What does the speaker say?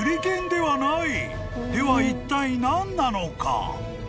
ではいったい何なのか？］